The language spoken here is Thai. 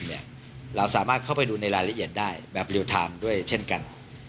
เราสามารถเข้าไปดูในรายละเอียดได้แบบเรียลไทม์ด้วยเช่นกัน